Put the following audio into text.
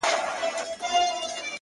زما په څېره كي، ښكلا خوره سي،